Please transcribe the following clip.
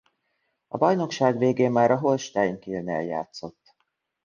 A bajnokság végén már a Holstein Kielnél játszott.